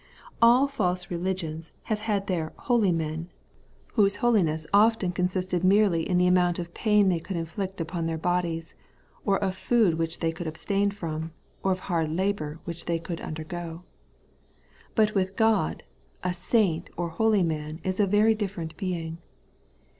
All false religions have had their 182 The Everlasting Bightecmsness, * holy men/ whose holiness often consisted merely in the amoimt of pain they conld inflict upon their bodies, or of food which they could abstain from, or of hard labour which they could undergo. But with God, a saint or holy man is a very diffe rent being.